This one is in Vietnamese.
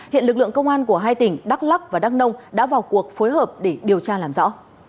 hiện lực lượng công an của hai tỉnh đắk lắc và đắk nông đã vào cuộc phối hợp để điều tra làm rõ